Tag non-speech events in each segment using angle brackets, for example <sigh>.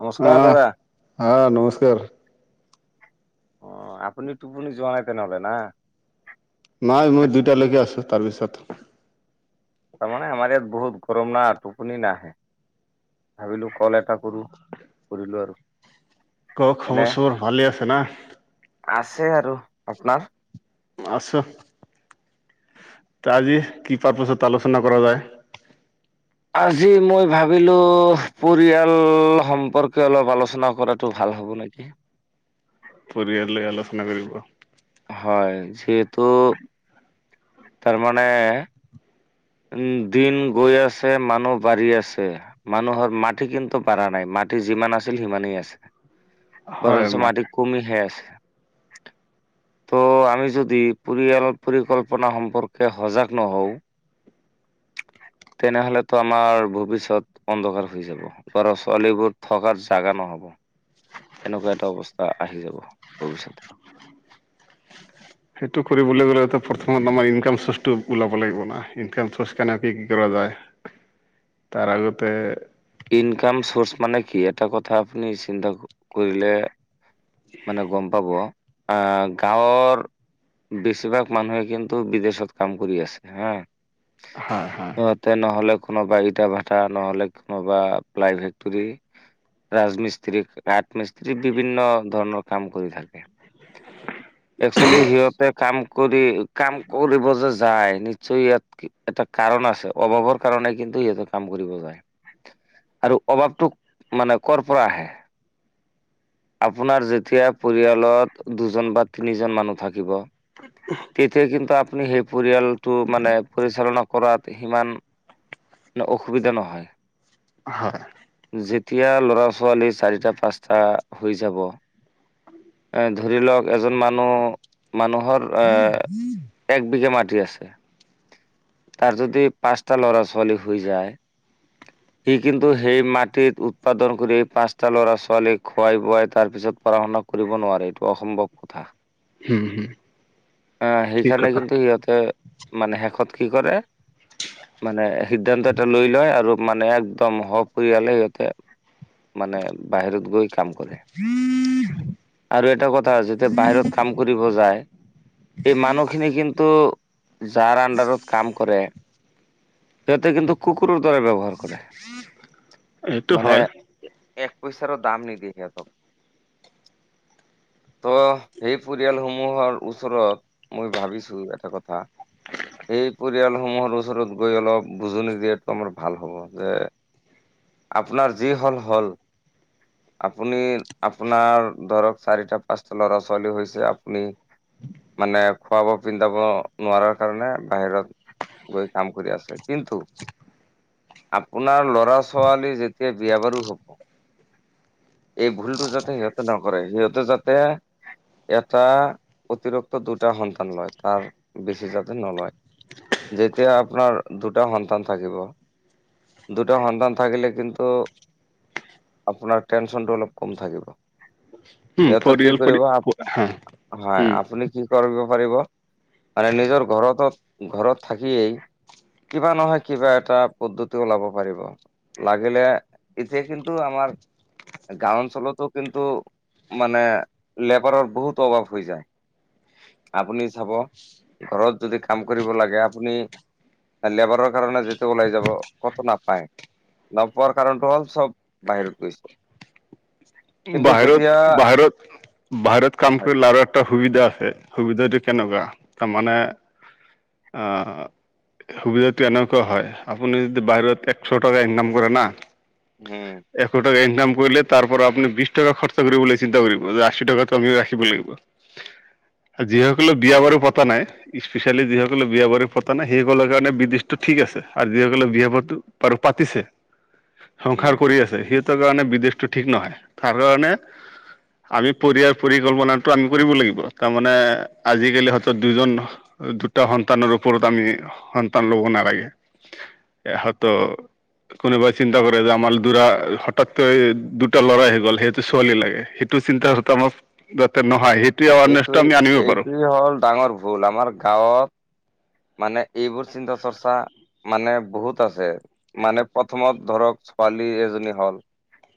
নমস্কাৰ আহ দাদা। অ', আহ নমস্কাৰ আপুনি টোপুনি যোৱানাই তেনেহলে না? নাই মই দুইটালৈকে আছোঁ তাৰপিছত তাৰমানে আমাৰ ইয়াত বহুত গৰম না টোপনি নাহে, ভাবিলোঁ কল এট শা কৰোঁ, কৰিলোঁ আৰু। ক এনে খবচোৰ ভালে আছে না? আছে আৰু, আপোনাৰ? আছোঁ। আজি কি <unintelligible> আলোচনা কৰা যায়? আজি মই ভাবিলোঁ পৰিয়াল সম্পৰ্কে অলপ আলোচনা কৰাটো ভাল। হ'ব নেকি? পৰিয়াল লৈ আলোচনা কৰিব। হয় যিয়েতু তাৰমানে উম, দিন গৈ আছে মানুহ বাঢ়ি আছে। মানুহৰ মাটি কিন্তু বাঢ়া নাই মাট টি যিমান আছিল সিমানেই আছে, হয় বৰঞ্চ মাত মাটি কমিহে আছে। <unintelligible> ত' আমি যদি পৰিয়াল পৰিকল্পনা সম্পৰ্কে সজাগ নহওঁ। <unintelligible> তেনেহলেতো আমাৰ ভৱিষ্যত অন্ধকাৰ হৈ যাব, লৰা ছোৱালীবোৰ থকাৰ ছাগা এ নহ'ব। এনেকুৱা এটা অৱস্থা আহি যাব ভৱিষতে। সেটো কৰিবলৈ গ'লেটো প্ৰথমত আমাৰ ইনকাম চৰ্চটো ওলাব লাগিব না ইনকাম চ'ৰ্চ কেনেকে কি কৰা যায়। তাৰ আগতে ইনকাম চৌচ মানে কি, এটা কথা আপুনি চিন্তা কয়িলে মানে গম পাব, আহ গাঁৱৰ বেছিভাগ মানুহে কিন্তু বিদেশত কাম কৰি আছে হা। হয় হয় সিহতে নহ'লে কোনোবাই ইটা ভাটা নহলে বা প্লাই ফেক্টৰী। ৰাজমিস্ত্ৰি, কাঠমিস্ত্ৰি বিভিন্ন ধৰণৰ কাম কৰি থাকে। <unintelligible> সিহঁতে কাম কৰি কাম কৰিব যে যায় নিশ্চয় ইয়াত কি এটা কাৰণ আছে। অভাৱৰ কাৰণে কিন্তু সিহঁতে কাম কৰিব যায়। আৰু অভাৱটো মানে কৰ পৰা আহে? আপোনাৰ যেতিয়া পৰিয়ালত দু জন বা তিনিজন মানুহ থাকিব তেতিয়া কিন্তু আপুনি সেই পৰিয়ালটো মানে পৰিচালনা কৰাত সিমান অসুবিধা নহয়। হয়। যেতিয়া ল'ৰা ছোৱালী চাৰিটা পাঁচটা হৈ যাব। এ ধৰি লওক এজন মানুহ, মানুহৰ আহ, এক বিঘা মাট টি আছে, তাৰ যদি পাঁচটা লৰা ছোৱালী হৈ যায়। সি কিন্তু সেই মাটিত উৎপাদন কৰি পাঁচটা ল'ৰা ছোৱালীক খোৱাই বোৱাই তাৰপিছত পঢ়াশুনা কৰিব নোৱাৰে, এইটো অসম্ভৱ কথা। আ ঠিক সেইকাৰণে কথা কিন্তু সিহঁতে মানে শেষত কি কৰে, মানে সিদ্ধান্তএটা লৈ লয় আৰু মানে একদম সপৰিয়ালে সিহঁতে, মানে বাহিৰত গৈ কাম কৰে <unintelligible> আৰু এটা কথা যেতিয়া বাহিৰত কাম কৰিব যায়। এই মানুহখিনি কিন্তু যাৰ আণ্ডাৰত কাম কৰে, সিহঁতে কিন্তু কুকুৰ দৰে ব্যৱহাৰ কৰে এইটো মানে হয়। এক পইচাৰো দাম নিদিয়ে সিহঁতক। ত' সেই পৰিয়ালসমূহৰ ওচৰত, মই ভাবিছো এটা কথা। এই পৰিয়ালসমূহৰ ওচৰত গৈ অলপ, বুজনি দিয়টো আমাৰ ভাল হ'ব। যে, আপোনাৰ যি হ'ল হ'ল। আপুনি, আপোনাৰ, ধৰক চাৰিটা পাঁচটা ল'ৰা ছোৱালী হৈছে আপুনি মানে খোৱা বোৱা পিন্ধাব, নোৱাৰাৰ কাৰণে বাহিৰত গৈ কাম কৰি আছে, কিন্তু আপোনাৰ ল'ৰা ছোৱালী যেতিয়া বিয়া বাৰু হ'ব। এই ভুলটো যাতে সিহঁতে নকৰে, সিহঁতে যাতে এটা, অতিৰিক্ত দুটা সন্তান লয়, তাৰ বেছি যাতে নলয়। যেতিয়া আপোনাৰ দুটা সন্তান থাকিব। দুটা সন্তান থাকিলে, কিন্তু আপোনাৰ টেনচনটো অলপ কম থাকিব। সিহঁতক কি পৰিয়াল পৰি কৰিব, হা হয় উম আপুনি কি কৰিব কৰিব, মানে নিজৰ ঘৰত, ঘৰত থাকিয়েই কিবা নহয় কিবা এটা পদ্ধতি ওলাব পাৰিব, লাগিলে এতিয়া কিন্তু আমাৰ গাঁও অঞ্চলতো কিন্তু মানে, লেবাৰৰ বহুত অভাৱ হৈ যায়। আপুনি চাব, ঘৰত যদি কাম কৰিব লাগে আপুনি লেবাৰৰ কাৰণে যিটো ওলাই যাব। কতো নাপায়, নপোৱাৰ কাৰণটো হ'ল চব বাহিৰত গৈছে। কিন্তু বাহিৰত, যেতিয়া বাহিৰত, বাহিৰত কাম হয় কৰি লাৰাৰ এটা সুবিধা আছে সুবিধাটো কেনেকুৱা, তাৰমানে আহ সুবিধাটো এনেকুৱা হয়। আপুনি যদি বাহিৰত এক চ টকা ইনকাম কৰে না উম, এশ টকা ইনকাম কৰিলে তাৰ পৰা আপুনি বিছ <unintelligible> খৰচা কৰিবলৈ চিন্তা কৰিব যে আশী টকাটো আমি ৰাখিব লাগিব। যিসকলে বিয়া বাৰু পতা নাই, স্পেচিয়েলি যিসকলে বিয়া বাৰু পতা নাই সেইসকলৰ কাৰণে বিদেশটো ঠিক আছে আৰু যিসকলে বিয়া পাতো বাৰু পাতিছে। <inaudible> উম, সংসাৰ কৰি আছে সিহঁতৰ কাৰণে বিদেশটো ঠিক নহয়, তাৰ কাৰণে আমি পৰিয়াল পৰিকল্পনাটো আমি কৰিব লাগিব, তাৰমানে, আজিকালি হয়তো দুজন দুটা সন্তানৰ ওপৰত আমি, সন্তান ল'ব নালাগে, ইহঁতৰ কোনোবাই চিন্তা কৰে যে আমাৰ দুটা হঠাৎতে দুটা ল'ৰাই গ'ল সেইটো ছোৱালী লাগে, সেইটো চিন্তাকথা, মোক যাতে নহয় সেই এইটোৱে, এইটোৱেই হ'ল ডাঙৰ ভুল আমাৰ গাঁৱত মানে এইবোৰ চিন্তা চৰ্চা, মানে বহুত আছে, মানে প্ৰথমত ধৰক ছোৱালী এজনী হল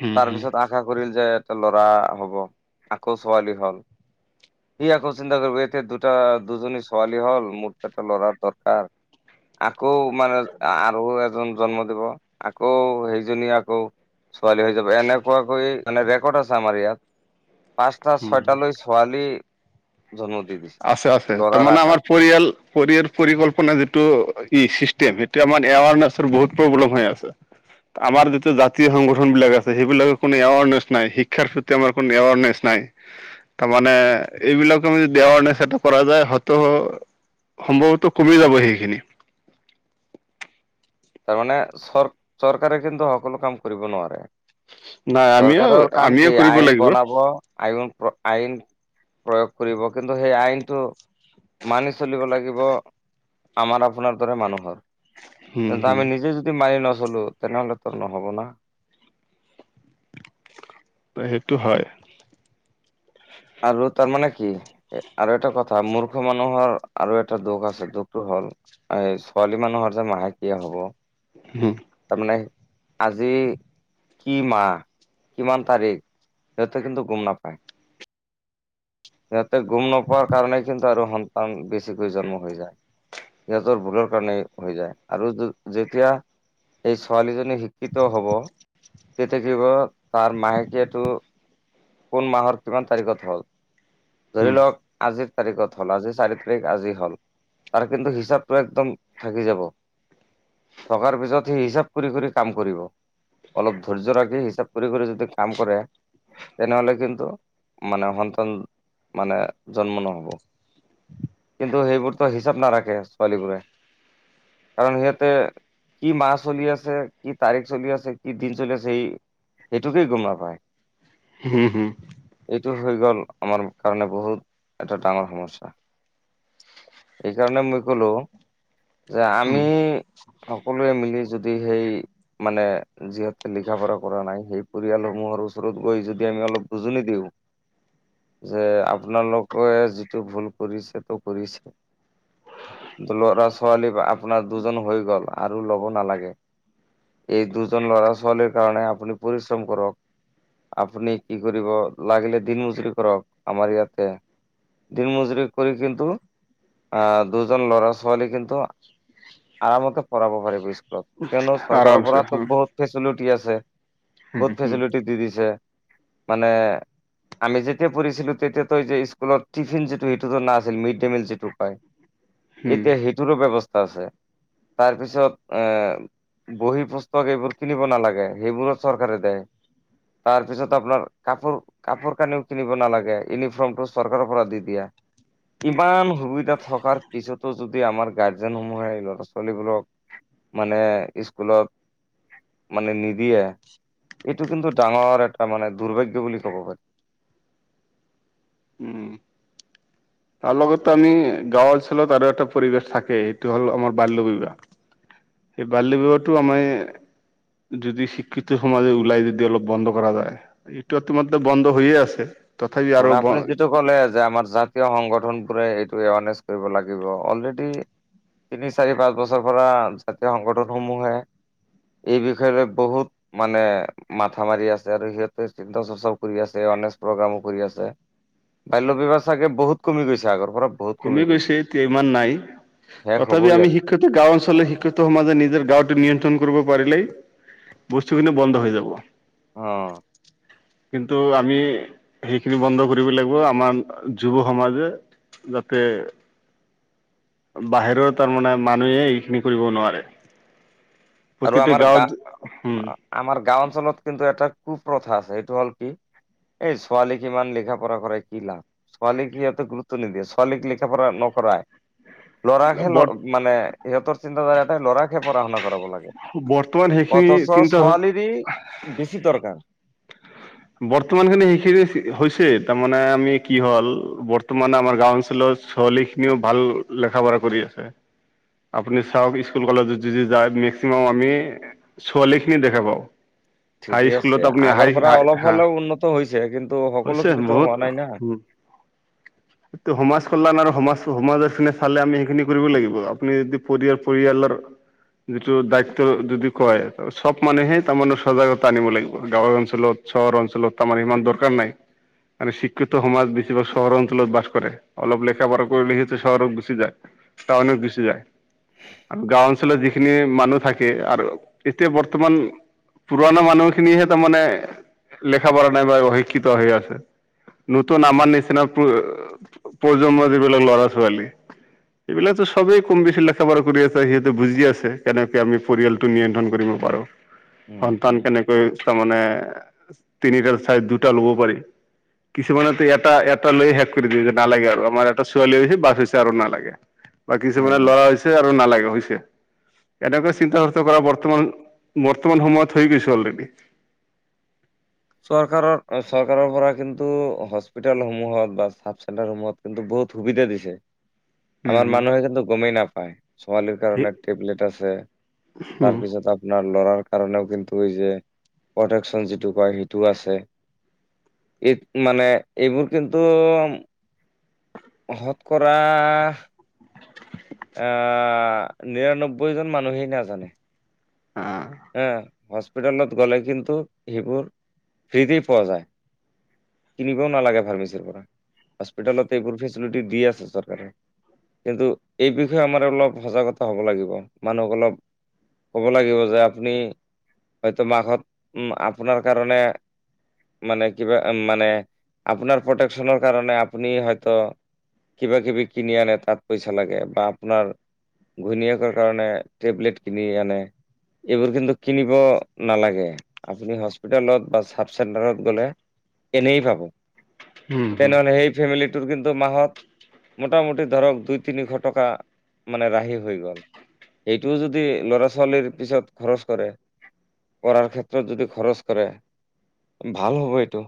হুম হুম তাৰপিছত আশা কৰিল যে ল'ৰা হ'ব আকৌ ছোৱালী হল। সি আকৌ চিন্তা কৰিব এতে দুটা দুজনী ছোৱালী হল মোৰ এটা লৰাৰ দৰকাৰ। আকৌ মানে আৰু এজন জন্ম দিব আকৌ সেইজনী আকৌ ছোৱালী হৈ যাব এনেকুৱাকৈ মানে ৰেকৰ্ড আছে আমাৰ ইয়াত। পাঁচটা হুম ছয়টা হুম লৈ ছোৱালী। জন্ম দি দিছে আছে-আছে তাৰ ল'ৰাৰ মানে আমাৰ আঘাত পৰিয়াল পৰিয়াল পৰিকল্পনা যিটো ই চিষ্টেম সেইটো আমাৰ এৱাৰনেচৰ বহুত প্ৰব্লেম হৈ আছে। আমাৰ যিতো জাতীয় সংগঠন বিলাক আছে, সেইবিলাকৰ কোনো এৱাৰনেছ নাই শিক্ষাৰ প্ৰতি আমাৰ কোনো এৱাৰনেছ নাই। <unintelligible> তাৰ মানে এইবিলাক আমি এৱাৰনেছ এটা কৰা যায় হয়তো সম্ভৱতো কমি যাব সেইখিনি। <inaudible> তাৰমানে চৰ চৰকাৰে কিন্তু সকলো কাম কৰিব নোৱাৰে। নাই আমিও চৰকাৰৰ কাম আমিও কি কৰিব আইন লাগিব বনাব আইন আইন প্ৰয়োগ কৰিব কিন্তু সেই আইনটো মানি চলিব লাগিব আমাৰ আপোনাৰ দৰে মানুহৰ। হম কিন্তু হম আমি নিজে যদি মানি ন <unintelligible> লো তেনেহলে তোৰ নহ'ব না। অ' সেইটো হয়। আৰু তাৰ মানে কি আৰু এটা কথা মূৰ্খ মানুহৰ আৰু এটা দুখ আছে দুখটো হ'ল এই ছোৱালী মানুহৰ যে মাহেকিয়া হব। হম তাৰমানে আজি- কি মাহ কিমান তাৰিখ সিহঁতে কিন্তু গম নাপায়। সিহঁতে গম নোপোৱাৰ কাৰণে কিন্তু আৰু সন্তান বেছিকৈ জন্ম হৈ যায়। সিহঁতৰ ভুলৰ কাৰনে হৈ যায় আৰু যেতিয়া এই ছোৱালীজনী শিক্ষিত হব। তেতিয়া কিবা তাৰ মায়েকে টো কোন মাহৰ কিমান তাৰিখত হ'ল। ধৰি হম লওক আজি তাৰিখত হ'ল আজি চাৰি তাৰিখ আজি হল তাৰ কিন্তু হিচাপটো একদম থাকি যাব। থকাৰ পিছত সি হিচাপ কৰি-কৰি কাম কৰিব অলপ ধৈৰ্য ৰাখি হিচাপ কৰি-কৰি যদি কাম কৰে। তেনেহলে কিন্তু মানে সন্তান মানে জন্ম নহ'ব। কিন্তু সেইবোৰতো হিচাপ নাৰাখে ছোৱালীবোৰে কাৰণ সিহঁতে কি মাহ চলি আছে কি তাৰিখ চলি আছে কি দিন চলি আছে সি এইটোকেই গম নাপাই। হম, হম। মেইটো হৈ গ'ল আমাৰ কাৰণে বহুত এটা ডাঙৰ সমস্যা। সেইকাৰণে মই কলো যে হম আমি আমি সেই যদি সেই মানে যিহেতু লিখা পঢ়া কৰা নাই সেই পৰিয়ালসমূহৰ ওচৰত গৈ যদি আমি অলপ বুজি নিদিও যে আপোনালোকে যিটো ভুল কৰিছে তো কৰিছে। ল'ৰা ছোৱালী আপোনাৰ দুজন হৈ গ'ল আৰু ল'ব নালাগে। এই দুজন ল'ৰা ছোৱালীৰ কাৰণে আপুনি পৰিশ্ৰম কৰক। আপুনি কি কৰিব লাগিলে দিন <unintelligible> কৰক আমাৰ ইয়াতে। দিন <unintelligible> কৰি কিন্তু আ, দুজন ল'ৰা ছোৱালী কিন্তু আৰামতে পঢ়াব পাৰিব স্কুলত, কিয়নো চৰকাৰৰ আৰামছে পৰাতো হম বহুত ফেচিলিটি আছে। হম বহুত হম ফেচিলিটি দি দিছে, মানে- আমি যেতিয়া পঢ়িছিলো তেতিয়া তই যে স্কুলত টিফিন যিটো সেইটোতো নাছিল আছিল মিড ডে মিল যিটো কয়। হম এতিয়া সেইটোৰো ব্যৱস্থা আছে, তাৰপিছত এ- বহী পুস্তক এইবোৰ কিনিব নালাগে, সেইবোৰো চৰকাৰে দে। তাৰপিছত আপোনাৰ কাপোৰ কাপোৰ কানিও কিনিব নালাগে, ইউনিফৰ্মটো চৰকাৰৰ পৰা দি দিয়া। ইমান সুবিধা থকাৰ পিছতো যদি আমাৰ গাৰ্জেন সমূহে ল'ৰা ছো- ছোৱালীবোৰক মানে স্কুলত মানে নিদিয়ে। এইটো কিন্তু ডাঙৰ এটা মানে দুৰ্ভাগ্য বুলি কব পাৰি। উম। তাৰ লগতে আমি গাঁও অঞ্চলত আৰু এটা পৰিৱেশ থাকেই, এইটো হ'ল আমাৰ বাল্য বিবাহ। এই বাল্য বিবাহটো আমাই- যদি শিক্ষিত সমাজে ওলাই যদি অলপ বন্ধ কৰা যায়, এইটো তোমাত্ৰে বন্ধ হৈয়ে আছে। তথাপি তাৰ আৰু মানে আপুনি যিটো ক'লে যে আমাৰ জাতীয় সংগঠ- গঠনগোৰে এইটো এৱাৰনেছ কৰিব লাগিব অলৰেডি- তিনি চাৰি পাঁচ বছৰ পৰা জাতীয় সংগঠনসমূহে- এই বিষয় লৈ বহুত মানে মাথা মাৰি আছে আৰু সিহঁতেৰ চিন্তা চৰ্চাও কৰি আছে। গণেশ প্ৰ কামো কৰি আছে, বাল্য বিবাহ চাগে বহুত কমি গৈছে আগৰ পৰা- কমি গৈছে এতিয়া ইমান নাই। শেষ তথাপি হ'বই আমি আৰু শিক্ষিত গাঁও অঞ্চলৰ শিক্ষিত সমাজে নিজৰ গাঁওটো নিয়ন্ত্ৰণ কৰিব পাৰিলেই- বস্তুখিনি বন্ধ হৈ যাব। অঁ কিন্তু আমি সেইখিনি বন্ধ কৰিব লাগিব, আমাৰ যুৱ সমাজে। যাতে। বাহিৰৰ তাৰমানে মানুহে এইখিনি কৰিব নোৱাৰে। আৰু প্ৰতিটো আমাৰ গা গাঁৱত উম আমাৰ গাঁও অঞ্চলত কিন্তু এটা- কু-প্ৰথা আছে সেইটো হ'ল কি, এই ছোৱালী কিমান লিখা পঢ়া কৰে কি লাভ! ছোৱালীক সিহঁতে গুৰুত্ব নিদিয়ে, ছোৱালীক লিখা-পঢ়া নকৰায়। ব লৰাকহে মানে সিহঁতৰ চিন্তাধাৰাতহে ল'ৰাকহে পঢ়া শুনা কৰাব লাগ। বৰ্তমান সেইখিনি অথচ চিন্তা ছোৱালীৰ ই বেছি দৰকাৰ। বৰ্তমান খিনি সেইখিনি হৈছে তাৰমানে আমি কি হল বৰ্তমান আমাৰ গাওঁ অঞ্চলত- ছোৱালীখিনিও ভাল লেখা পঢ়া কৰি আছে। আপুনি চাওঁক স্কুল কলেজত যদি যায় মেক্সিমাম আমি ছোৱালী খিনি দেখা পাওঁ। হাই স্কুলত আপুনি হাই হাই- সফালে উন্নত হৈছে কিন্তু সকলোখিনিতো হোৱা নাই না। টো সমাজ খন- বান আৰু সমাজ সমাজৰখিনি চালে আমি সেইখিনি কৰিব লাগিব আপুনি যদি পৰিয়াল পৰিয়ালৰ- যিটো দায়িত্ব যদি কয় সব মানুহে তাৰমানে চজাগতা আনিব লাগিব গাঁৱৰ অঞ্চলত। চহৰ অঞ্চলত তাৰমানে ইমান দৰকাৰ নাই। মানে চিক্ষিত সমাজ বেছিভাগ চহৰ অঞ্চলত বাস কৰে অলপ লেখা পঢ়া কৰিলে সেতো চহৰত গুছি যায়। তাওনত গুছি যায়। আৰু গাঁও অঞ্চলত যিখিনি মানুহ থাকে আৰু এতিয়া বৰ্তমান- পুৰণা মানুহখিনিহে তাৰমানে লেখা পঢ়া নাই বা অশিক্ষিত হৈ আছে। নতুন আমাৰ নিচিনা প্ৰ প্ৰজন্ম যিবিলাক ল'ৰা ছোৱালী। এইবিলাক সবেই কম বেছি লেখা পঢ়া কৰি আছে সিহঁতে বুজিয় আছে, কেনেকে আমি পৰিয়ালটো নিয়ন্ত্ৰণ কৰিম। পাৰো। উম সন্তান উম কেনেকৈ তাৰমানে- তিনিটাৰ চাই দুটা ল'ব পাৰি। কিছুমানেতো এটা এটা লৈয়ে শেষ কৰি দে যে নালাগে আৰু আমাৰ এটা ছোৱালী হৈছে বাছ হৈছে আৰু নালাগে। বা কিছুমানে উম ল'ৰা হৈছে আৰু নালাগে হৈছে। এনেকুৱা চিন্তা চৰ্চা কৰা বৰ্তমান বৰ্তমান সময়ত হৈ গৈছে ছ অলৰেডি। চৰকাৰৰ, চৰকাৰৰ পৰা কিন্তু হস্পিতালসমূহত বা চাব চেণ্টাৰসমূহত কিন্তু বহুত বহুত সুবিধা দিছে, উম আমাৰ হুম মানুহে কিন্তু গমেই নাপায়। ছোৱালীৰ সেই কাৰণে টেবলেট আছে, উম তাৰপিছত আপোনাৰ ল'ৰাৰ। কাৰণেও কিন্তু এই যে প্ৰটেকশ্বন যিটো পায় টো আছে, এই মানে, এইবোৰ কিন্তু! শতকৰা আ, নিৰানব্বৈজন মানুহেই নাজানে! আহ বা, হস্পিটেলত গ'লে কিন্তু সেইবোৰ ফ্ৰীতেই পোৱা যায়। কিনিবও নালাগে ফাৰ্মেচিৰ পৰা, হস্পিতেলত এইবোৰ ফেচিলিটি দি আছে চৰকাৰে। কিন্তু এই বিষয়ে আমাৰ অলপ সজাগতা হ'ব লাগিব, মানুহক অলপ ক'ব লাগিব যে আপুনি, হয়তো মাঘত উম আপোনাৰ কাৰণে মানে কিবা উম, মানে আপোনাৰ প্ৰটেকশ্বনৰ কাৰণে আপুনি হয়তো কিবাকিবি কিনি আনে, তাত পইচা লাগে বা আপোনাৰ ঘৈণীয়েকৰ কাৰণে টেবলেট কিনি আনে। এইবোৰ কিন্তু কিনিব নালাগে। আপুনি হস্পিতেলত বা চাব চেণ্টাৰত গ'লে এনেই পাব। উম হু তেনেহ'লে সেই ফেমিলিটোৰ কিন্তু মাহত মোটামোটি ধৰক, দুই-তিনিশ টকা মানে ৰাহি হৈ গ'ল। এইটোও যদি ল'ৰা-ছোৱালীৰ পিছত খৰচ কৰে! পঢ়াৰ ক্ষেত্ৰত যদি খৰচ কৰে, ভাল হ'ব এইটো!